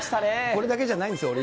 これだけじゃないんですよ、俺。